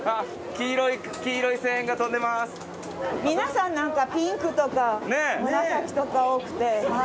黄色い皆さんなんかピンクとか紫とか多くて。